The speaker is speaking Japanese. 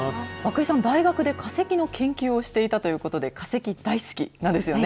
涌井さん、大学で化石の研究をしていたということで、化石大好きなんですよね？